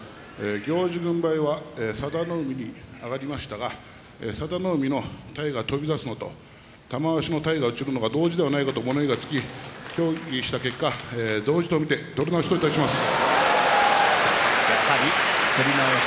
行司軍配は佐田の海に上がりましたが佐田の海の体が飛び出すのと玉鷲の体が落ちるのが同時ではないかと物言いがつき協議した結果、同時と見て取り直しといたします。